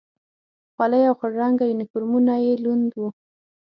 خولۍ او خړ رنګه یونیفورمونه یې لوند و.